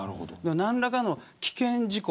何らかの危険事故